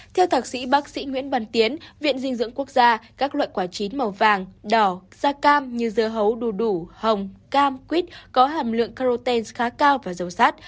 theo thạc sĩ bác sĩ nguyễn bàn tiến viện dinh dưỡng quốc gia các loại quả chín màu vàng đỏ da cam như dơ hấu đu đủ hồng cam quýt có hàm lượng carotene khá cao và dầu sát